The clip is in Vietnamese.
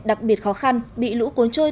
đặc biệt khó khăn bị lũ cuốn trôi